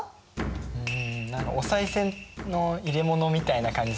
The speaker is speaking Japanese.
うん何かおさい銭の入れ物みたいな感じするけど。